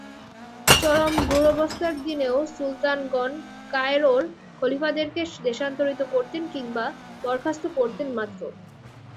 চরম দুরবস্থার দিনেও সুলতানগণ কায়রোর খলীফাদেরকে দেশান্তরিত করতেন কিংবা বরখাস্ত করতেন মাত্র।